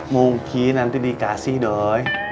mungkin nanti dikasih doi